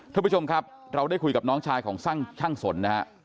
ท่านผู้ชมครับเราได้คุยกับน้องชายของช่างสนนะฮะ